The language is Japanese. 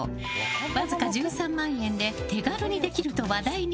わずか１３万円で手軽にできると話題に。